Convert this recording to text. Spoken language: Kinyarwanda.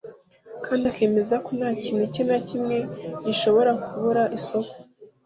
kandi akemeza ko nta kintu cye na kimwe gishobora kubura isoko